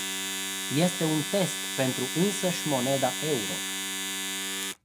Este un test pentru însăși moneda euro.